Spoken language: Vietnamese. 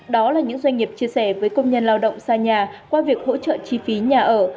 đó là những doanh nghiệp chia sẻ với công nhân lao động xa nhà qua việc hỗ trợ chi phí nhà ở